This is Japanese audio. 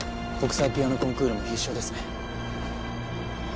国際ピアノコンクールも必勝ですね。